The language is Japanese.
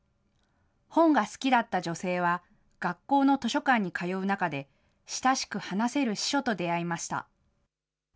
本が好きだった女性は、学校の図書館に通う中で、親しく話せる司書と出会いました。